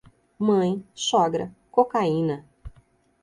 Mãe, sogra, cocaína.